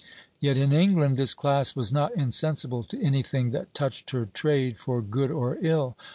Yet in England this class was not insensible to anything that touched her trade for good or ill.